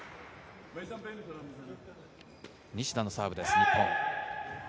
西田のサーブです、日本。